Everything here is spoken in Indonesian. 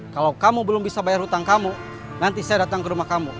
kalau kamu belum bisa bayar hutang kamu nanti saya datang ke rumah kamu